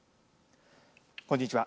こんにちは。